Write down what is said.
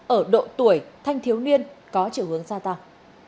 ở độ tuổi thanh thiếu niên có chiều hướng gia tăng